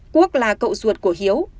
quốc là cậu ruột của hiếu